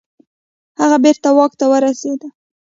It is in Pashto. هغه بیرته واک ته ورسیده.